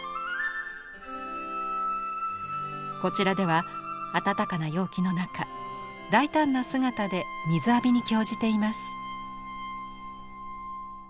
こちらでは暖かな陽気の中大胆な姿で水浴びに興じています。